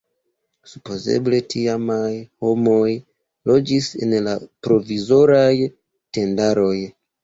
Supozeble tiamaj homoj loĝis en la provizoraj tendaroj.